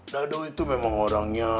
dado itu memang orangnya